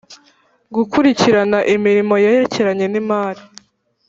Gukurikirana imirimo yerekeranye n imari